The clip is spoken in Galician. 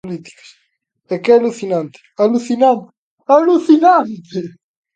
É que é alucinante, alucinante, alucinante.